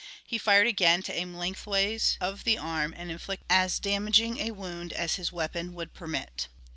He fired again to aim lengthways of the arm and inflict as damaging a wound as his weapon would permit.